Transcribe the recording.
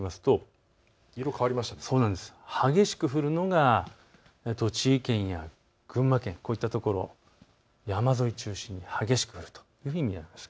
激しく降るのが栃木県や群馬県、こういったところ、山沿いを中心に激しくなると見られます。